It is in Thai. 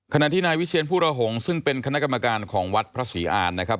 ขณะที่นายวิเชียนผู้ระหงษ์ซึ่งเป็นคณะกรรมการของวัดพระศรีอ่านนะครับ